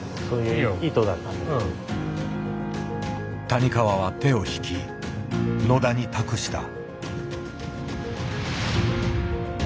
谷川は手を引き野田に託した。